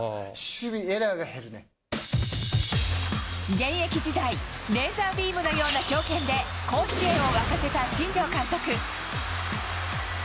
現役時代レーザービームのような強肩で甲子園を沸かせた新庄監督。